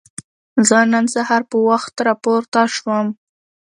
زه نن سهار په وخت راپورته شوم.